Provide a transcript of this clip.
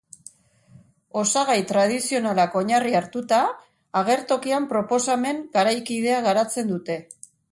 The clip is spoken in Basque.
Osagai tradizionalak oinarri hartuta, agertokian proposamen garaikidea garatzen dute.